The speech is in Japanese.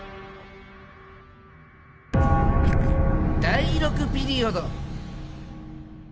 第６ピリオド。